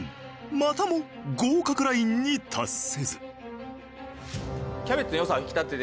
またも合格ラインに達せず。